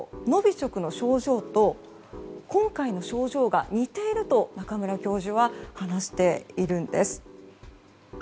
ノビチョクの症状と今回の症状が似ていると中村教授は話しているんです。